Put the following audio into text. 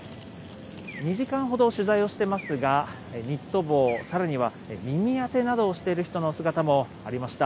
２時間ほど取材をしていますが、ニット帽、さらには耳当てなどをしている人の姿もありました。